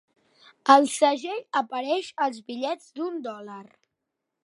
El segell apareix als bitllets d'un dòlar.